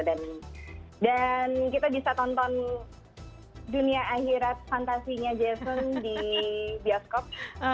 dan kita bisa tonton dunia akhirat fantasinya jason di bioskop